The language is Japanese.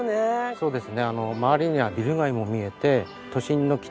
そうですね。